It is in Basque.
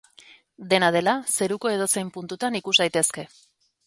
Dena dela, zeruko edozein puntutan ikus daitezke.